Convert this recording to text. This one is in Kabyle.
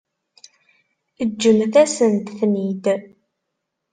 Ǧǧemt-asent-ten-id.